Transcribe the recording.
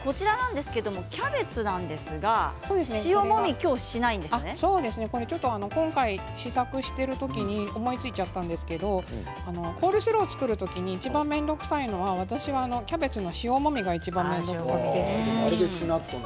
キャベツなんですが今回、試作している時に思いついちゃったんですけどもコールスローを作る時にいちばん面倒くさいのは私はキャベツの塩もみがいちばん面倒くさいと思っています。